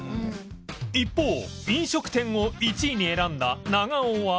一方飲食店を１位に選んだ長尾は